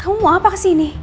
kamu mau apa kesini